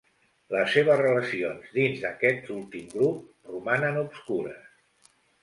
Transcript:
Les seves relacions dins d'aquest últim grup romanen obscures.